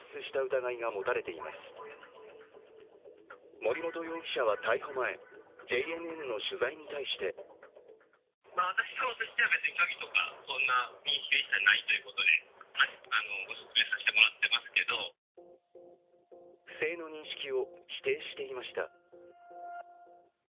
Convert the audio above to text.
森本容疑者は逮捕前、ＪＮＮの取材に対して不正の認識を否定しました。